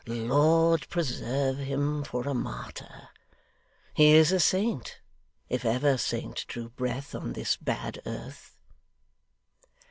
Lord preserve him for a martyr! He is a saint, if ever saint drew breath on this bad earth.